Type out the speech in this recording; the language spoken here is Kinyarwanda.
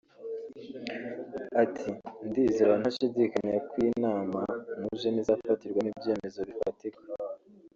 Ati “Ndizera ntashidikanya ko iyi nama mujemo izafatirwamo ibyemezo bifatika